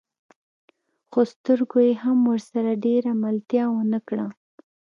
خو سترګو يې هم ورسره ډېره ملتيا ونه کړه.